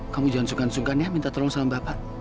kamu jangan sungkan sungkan ya minta tolong salam bapak